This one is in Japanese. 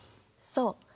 そう。